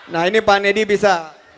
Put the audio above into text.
nah ini pak nedi bisa